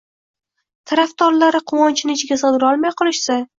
tarafdorlari quvonchni ichga sig’dirolmay qolishsa